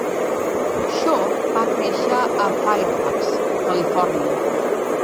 Shaw va créixer a Fairfax (Califòrnia).